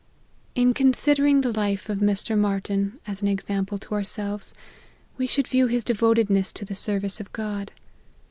In considering the life of Mr. Marty n as an ex ample to ourselves, we should view his devotedness to the service of God.